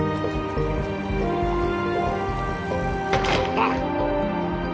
あっ！